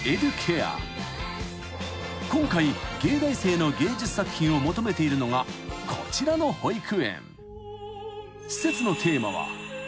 ［今回藝大生の芸術作品を求めているのがこちらの保育園］